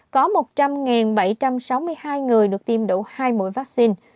có một trăm linh bảy trăm sáu mươi hai người được tiêm đủ hai mũi vaccine